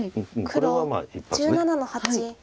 黒１７の八ノビ。